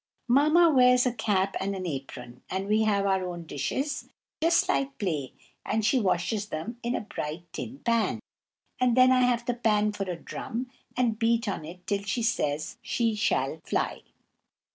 Mamma wears a cap and an apron, and we have our own dishes, just like play, and she washes them in a bright tin pan, and then I have the pan for a drum, and beat on it till she says she shall fly.